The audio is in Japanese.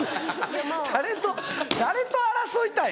誰と誰と争いたい？